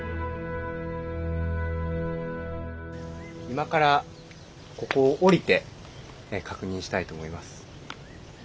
今からここを降りて確認したいと思います。